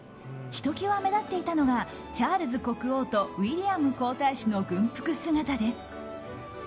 ひときわ目立っていたのがチャールズ国王とウィリアム皇太子の軍服姿です。